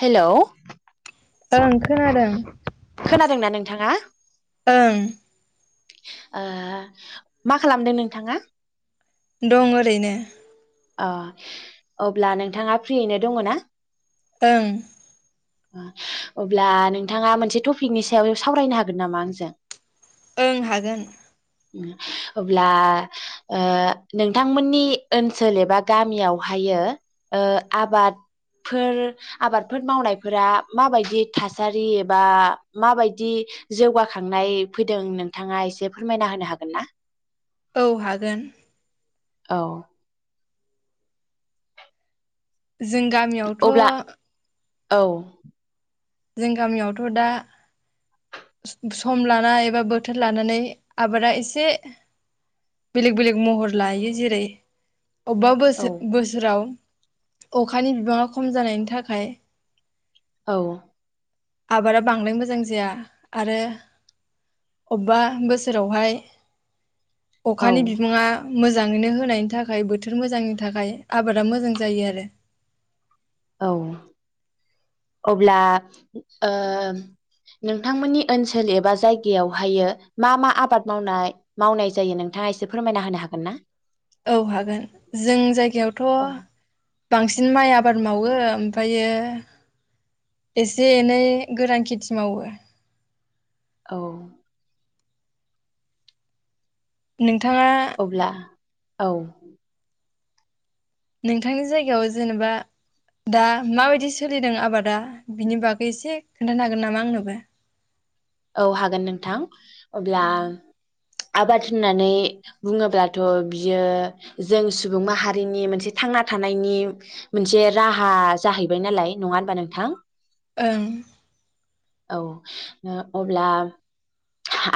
Hello ओं खोनांदों खोनादोंना नोंथाङा ओं ओ मा खालामदों नोंथांङा? दं ओरैनो अ अब्ला नोंथांङा फ्रियैनो दङ ना? ओं अब्ला नोंथाङा मोनसे टपिकनि सायाव सावरायनो हागोन नामा आंजों? ओं हागोन अब्ला ओ नोंथांमोननि ओन सोल एबा गामियावहाय आबादफोर आबादफोर मावनायफोरा माबायदि थासारि एबा माबायदि जौगाखांनाय फैदों नोंथांङा एसे फोरमायना होनो हागोन ना? औ हागोन औ जों गामियावथ' अब्ला औ जों गामियावथ' दा सम लाना एबा बोथोर लानानै आबादा एसे बेलेग - बेलेग महर लायो जेरै - अबेबा औ बोसोर -बोसोराव अखानि बिबाङा खम जानायनि थाखाय औ आबादा बांद्राय मोजां जाया आरो अबेबा बोसोरावहाय अखानि औ बिबाङा मोजाङैनो होनायनि थाखाय बोथोर मोजांनि थाखाय आबादा मोजां जायो आरो औ अब्ला ओ नोंथांमोननि ओनसोल एबा जायगायावहायो मा मा आबाद मावनाय मावनाय जायो नोंथाङा एसे फोरमायना होनो हागोन ना? औ हागोन जों औ जायगायावथ'बांसिन माइ आ आबाद मावो ओमफायो एसे एनै गोरान खेथि मावो औ नोंथाङा अब्ला औ नोंथांनि जायगायाव जेनेबा दा माबायदि सोलिदों आबादा बिनि बागै एसे खोन्थानो हागोन नामा आंनोबो औ हागोन नोंथां अब्ला ओं आबाद होननानै बुङोब्लाथ‌' बियो जों सुबुं माहारिनि मोनसे थांना थानायनि मोनसे राहा जाहैबाय नालाय नङा होनबा नोंथां ओं औ ओ अब्ला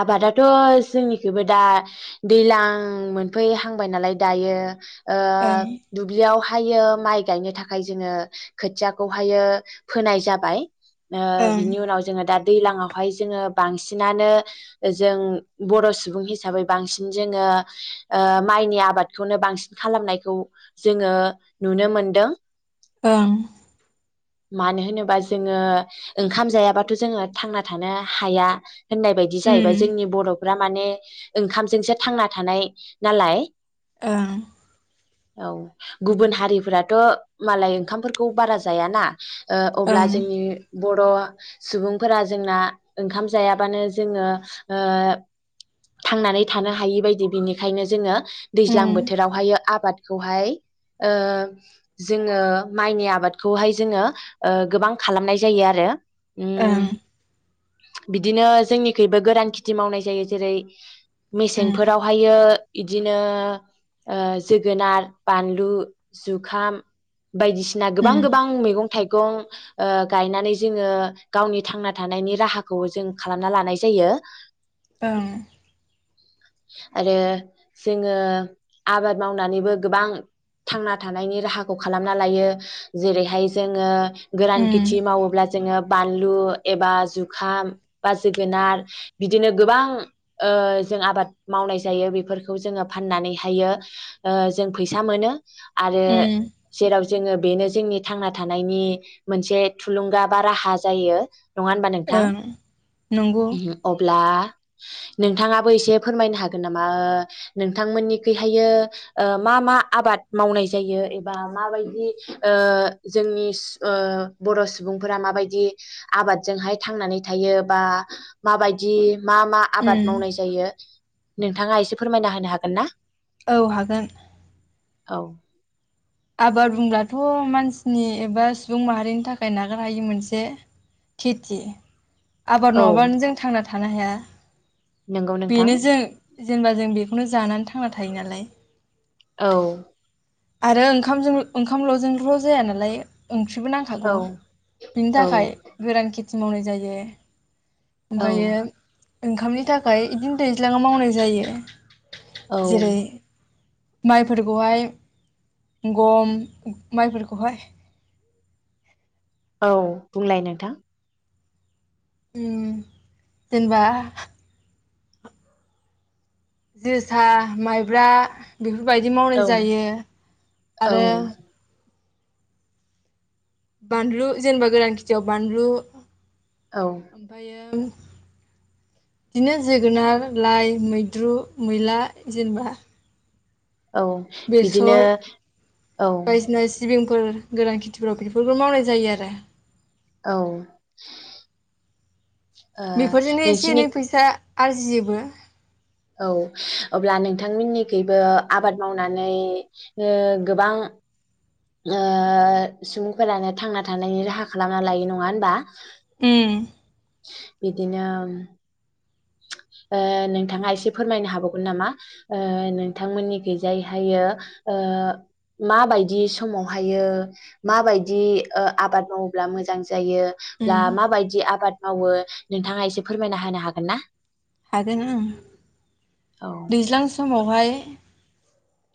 आबादाथ' जोंनिखैबो दा दैलां मोनफैहांबाय नालाय दायो ओ दुब्लियाव हायो माइ गायनो थाखाय जोङो खोथियाखौहायो फोनाय जाबाय ओ ओं बिनि उनाव जोङो दा दैलाङाव हाय जोङो बांसिनानो जों बर सुबुं हिसाबै बांसिन जोङो माइनि आबादखौनो बांसिन खालामनायखौ जोङो नुनो मोनदों ओं मानो होनोबा जोङो ओंखाम जायाबाथ'जोङो थांना थानो हाया होननाय बायदि उम जाहैबाय जोंनि बर' फोरा माने ओंखामजोंसो थांना थानाय नालाय ओं औ गुबुन हारिफोराथ' मालाय ओंखामफोरखौ बारा जायाना ओ अब्ला ओं जोंनि बर' सुबुंफोरा जोंना ओंखाम जायाबानो जोङो ओ थांनानै थानो हायि बायदि बिनिखायनो जोङो दैज्लां उम बोथोरावहायो आबाद बे खौहाय ओ जोङो माइनि आबादखौहाय जोङो ओ गोबां खालामनाय जायो आरो। उम ओं बिदिनो जोंनिखैइबो गोरान खिथि मावनाय जायो। जेरै- उम मेसेंफोरावहायो इदिनो ओ जोगोनार बानलु जुखाम बायदिसिना उम गोबां गोबां मैगं थाइगं ओ गायनानै जोङो गावनि थांना थानायनि राहाखौ जों खालामना लानाय जायो। ओं। आरो जोङो आबाद मावनानैबो गोबां थांना थानायनि राहाखौ खालामना लायो । जेरैहाय जोङो गोरान उम खिथि मावोब्ला जोङो बानलु एबा जुखाम बा जोगोनार बिदिनो गोबां ओ जों आबाद मावनाय जायो बेफोरखौ जोङो फाननानैहायो जों फैसा मोनो। आरो उम जेराव जोङो बेनो जोंनि थांना थानायनि मोनसे थुलुंगा बा राहा जायो। नङा होनबा नोंथां ओं नंगौ अब्ला नोंथाङाबो एसे फोरमायनो हागोन नामा ओ नोंथांमोननिखैहाय ओ मा मा आबाद मावनाय जायो एबा माबायदि ओ जोंनि ओ बर' सुबुंफोरा माबायदि आबादजोंहाय थांनानै थायो बा माबायदि मा मा आबाद उम मावनाय जायो? नोंथाङा एसे फोरमायना होनो हागोन ना? औ हागोन। औ आबाद बुंब्लाथ' मानसिनि एबा सुबुं माहारिनि थाखाय नागारहायि मोनसे खेथि। आबाद नङाबानो जों थांना थानो हाया। नोंगौ बेनो नोंथां। जों जेनेबा जों बेखौनो जानानै थांना थायो नालाय। औ आरो ओं खामजों ओंखामल'जोंल' जाया नालाय ओंख्रिबो नांखागौ औ बिनि औ थाखाय गोरान खिथ थि मावनाय जायो। औ ओमफायो ओंखामनि थाखाय इदिनो दैज्लाङाव मावनाय जायो। औ जेरै माइफोरखौहाय गम माइफोरखौहाय औ बुंलाय नोंथां। उम जेनबा जोसा माइब्रा बि फोरबायदि मावनाय औ जायो औ आरो बानलु जेनबा गोरान खिथियाव बानलु औ ओमफायो बिदिनो जोगोनार लाइ मैद्रु मैला जेनेबा औ बिदिनो बेसर औ। फोर गोरान खेथिफोराव बेफोरखो मावनाय जायो आरो। औ। ओ बेफोरजोंनो एसे नोंसिनि एनै फैसा आरजियोबो। औ अब्ला नोंथांमोननिखैबो आबाद मावनानै ओ गोबां ओ सुबुंफोरानो थांना थानायनि राहा खालामना लायो। नङा होनबा? उम बिदिनो ओ नोंथाङा एसे फोरमायनो हाबावगोन नामा ओ नोंथांमोननि खैजायहायो ओ माबायदि समावहाय माबादि ओ आबाद मावोब्ला मोजां जायो उम ब्ला माबायदि आ आबाद मावो नोंथाङा एसे फोरमायना होनो हागोन ना? हागोन ओं औ दैज्लां समाव हाय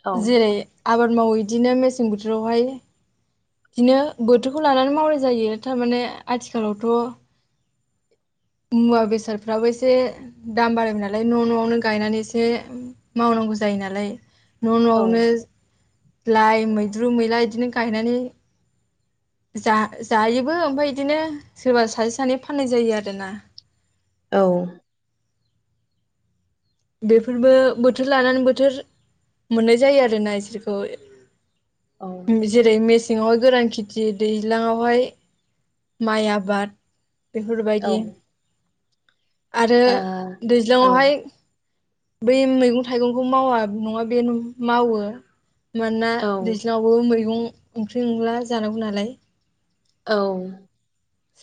औ जेरै आबाद मावो इदिनो मेसें बोथोरावहाय दिनो बोथोरखौ लानानै मावनाय जायो थारमाने आथिखालावथ' मुवा बेसारफ्राबो एसे दाम बारायबाय नालाय न' न'आवनो गायनानै एसे मावनांगौ जायो नालाय। न' न'आवनो औ लाइ मैद्रु मैला इदिनो गायनानै जा जायोबो ओमफाय इदिनो सोरबा सासे सानै फाननाय जायो आरोना। औ बेफोरबो बोथोर लानानै बोथोर मोननाय जायो आरोना इसोरखो औ जेरै मेस सिङावहाय गोरान खिथि दैज्लाङावहाय माइ आबाद बेफोरबायदि औ आरो ओ औ दैज्लाङावहाय बै मैगं थाइगंखौ मावा नङा बेनो मावो। मानोना औ दैज्लाङावबो मैगं ओंख्रि ओंला जानांगौ नालाय औ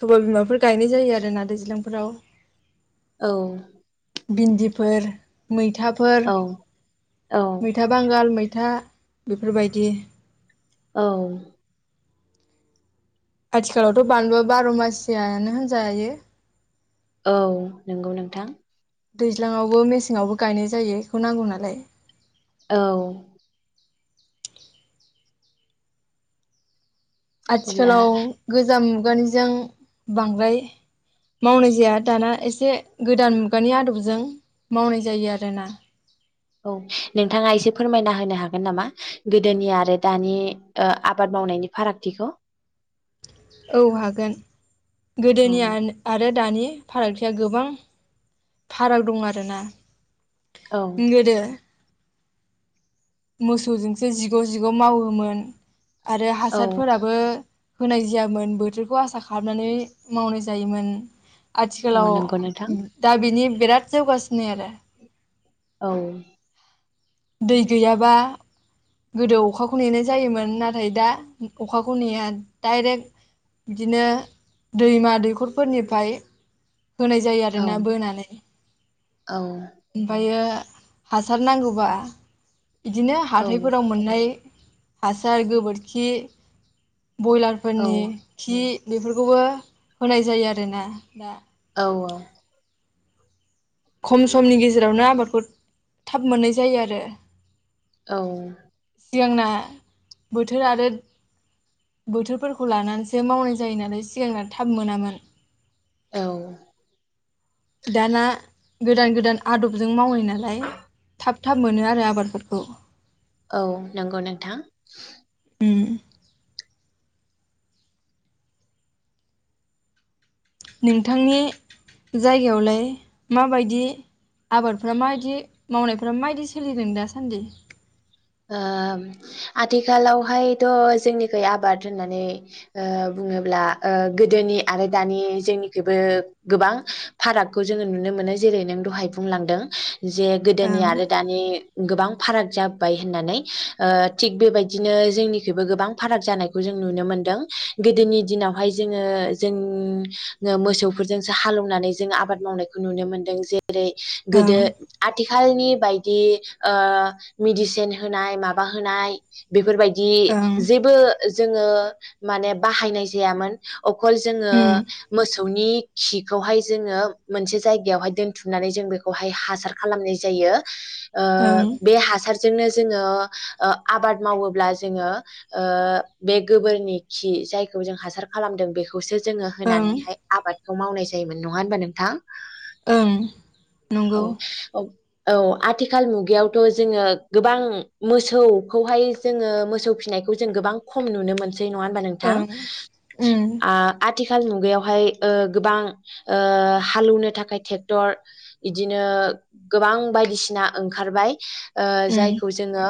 सबाय बिमाफोर गायनाय जायो आरो ना दैज्लांफोराव औ भिनदिफोर मैथ थाफोर औ मैथा बांगाल मैथ था बेफोरबायदि औ आथिखालावथ' बानलु बार' मासियायानो होनजायो औ नंगौ नोंथां । दैज्लाङावबो मेसेङावबो गायनाय जायो बेखौ नांगौ नालाय औ अब्ला आथिखालाव गोजाम मुगानिजों बांद्राय मावनाय जाया दाना एसे गोदान मुगानि आदबजों मावनाय जायो आरोना औ नोंथाङा एसे फोरमायना होनो हागोन नामा गोदोनि आरो दानि आबाद ओ मावनायनि फारागथिखौ औ हागोन औ गोदोनि आन आरो दानि फारागथिया गोबां फाराग दं आरोना औ गोदो मोसौजोंसो जिग' जिग' मावोमोन आरो औ हासारफोराबो होनाय जायामोन बोथोरखौ आसा खालामनानै मावनाय जायोमोन । औ आथिखालाव नंगौ नोंथां दा बिनि बिराद जौगासिनो आरो औ दै गैयाबा गोदो अखाखौ नेनाय जायोमोन नाथाय दा अखाखौ नेया डाइरेक्ट बिदिनो दैमा दैख'रफोरनिफ्राय होनाय जायो औ आरोना बोनानै औ ओमफायो हासार नांगौबा बिदिनो औ हाथायफोराव मोननाय हासार गोबोरखि औ बयलारफोरनि खि बेफोरखौबो होनाय जायो आरोना दा औ औ खम समनि गेजेरावनो आबादखौ थाब मोननाय जायो आरो औ सिगांना बोथोर आरो बोथोरफोरखौ लानानैसो मावनाय जायो नालाय सिगांना थाब मोनामोन । औ दाना गोदान गोदान आदबजों मावनाय नालाय थाब थाब मोनो आरो आबादफोरखौ औ नंगौ नोंथां उम नोंथांनि जायगायावलाय माबायदि आबादफोरा माबायदि मावनायफोरा माबायदि सोलिदों दासान्दि ओ आथिखालावहायथ' जोंनिखै आबाद होननानै ओ बुङोब्ला ओ गोदोनि आरो दानि जोंनिखैबो गोबां फारागखौ जोङो नुनो मोनो जेरै नों दहाय बुंलांदों जे गोदोनि ओं आरो दानि गोबां फाराग जाब बाय होननानै ओ थिग बेबायदिनो जोंनिखैबो गोबां फाराग जानायखौ जों नुनो मोनदों, गोदोनि दिनावहाय जोङो जों मोसौफोरजोंसो हालेवनानै जों आबाद मावनायखौ नुनो मोनदों जेर रै गोदो ओं आथि खालनि बायदि ओ मेदिसिन होनाय माबा होनाय बेफोरबाय दि ओं जेबो जोङो माने बाहायनाय जायामोन अखल जोङो उम मोसौ नि खिखौहाय जोङो मोनसे जायगायावहाय दोनथुमनानै जों बेखौहाय हासार खालामनाय जायो, ओ बे ओं हा हासारजोंनो जोङो आबाद मावोब्ला जोङो ओ बे गोबोरनि खि जायखौ जों हासार खालामदों बेखौ खौसो जोङो ओं होनानैहाय आबाद खौ मावनाय जायोमोन नङा होनबा नोंथां ओं औ नंगौ औ औ आथिखाल मुगायावथ' जोङो गोबां मोसौखौहाय जोङो मोसौ फिसिनायखौ जों गोबां खम नुनो मोन नङा हबा नोंथां ओं उम आ आथिखाल मुगायावहाय ओ गोबां ओ हालौनो थाखाय ट्रेक्टर बिदिनो गोबां बायदिसिना ओंखारबाय ओ उम जायखौ जोङो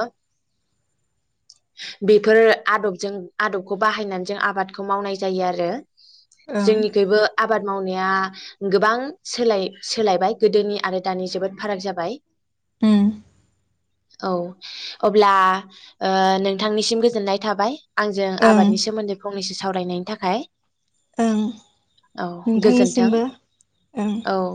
बेफोर आदबजों आदबखौ बाहायनानै जों आबादखौ मावनाय जायो आरो ओं जोंनिखैबो आबाद मावनाया गोबां सोलाय सोलायबाय गोदोनि आरो दानि जोबोद फाराग जाबाय उम औ अब्ला ओ नोंथांनिसिम गोजोननाय थाबाय आंजों ओं आबादनि सोमोन्दै फंनैसो सावरायनायनि थाखाय ओं औ गोजोन्थों नोंथांनिसिमबो ओं। औ